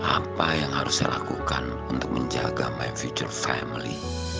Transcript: apa yang harus saya lakukan untuk menjaga my future family